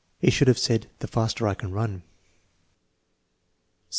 "He should have said, *the faster I can run.